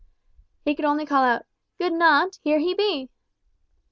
He could only call out, "Good naunt, here he be!"